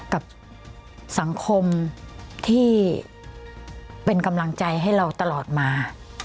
กับสังคมที่เป็นกำลังใจให้เราตลอดมา